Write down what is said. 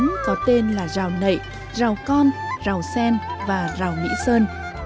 sông có tên là rào nệ rào con rào sen và rào mỹ sơn